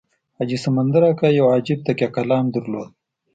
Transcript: حاجي سمندر اکا یو عجیب تکیه کلام درلود.